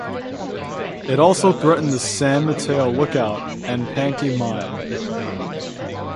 It also threatened the San Mateo Lookout and Pankey Mine.